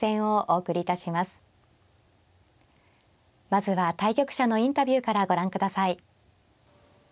まずは対局者のインタビューからご覧ください。